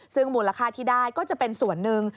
ซึ่งมูลค่าที่ได้ก็จะเป็นส่วนหนึ่ง